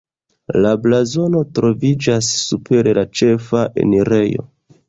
La blazono troviĝas super la ĉefa enirejo.